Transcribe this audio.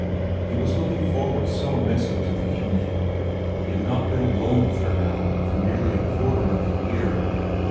He was looking forward so immensely to the evening; he had not been alone with her now for nearly a quarter of a year.